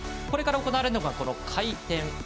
これから行われるのが回転。